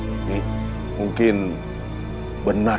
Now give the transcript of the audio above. ini mungkin benar